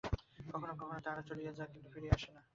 কখনও কখনও তাহারা চলিয়া যায়, কিন্তু ফিরিয়া আসে না।